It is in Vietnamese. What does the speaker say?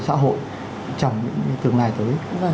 xã hội trong những tương lai tới